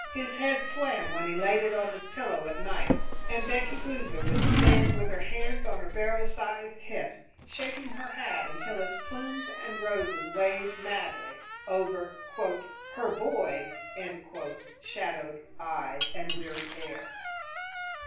His head swam when he laid it on his pillow at night, and Becky Boozer would stand with her hands on her barrel sized hips, shaking her hat until its plumes and roses waved madly, over "her boy's" shadowed eyes and weary air.